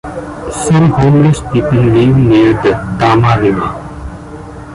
Some homeless people live near the Tama River.